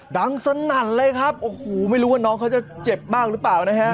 ดังสนั่นเลยครับโอ้โหไม่รู้ว่าน้องเขาจะเจ็บมากหรือเปล่านะฮะ